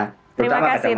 terima kasih prof denny